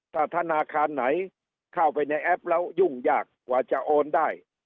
ถ้าธนาคารไหนเข้าไปในแอปแล้วยุ่งยากกว่าจะโอนได้